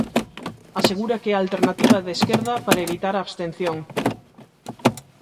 Asegura que é a alternativa de esquerda para evitar a abstención.